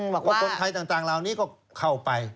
บอกว่าคนไทยต่างราวนี้ก็เข้าไป